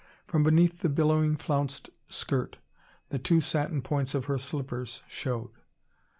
From beneath the billowing, flounced skirt the two satin points of her slippers showed.